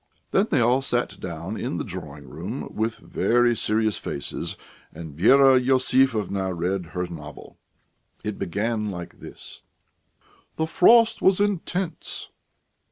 Then they all sat down in the drawing room with very serious faces, and Vera Iosifovna read her novel. It began like this: "The frost was intense...."